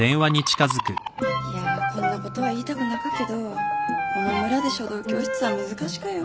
いやこんなことは言いたくなかけどこの村で書道教室は難しかよ。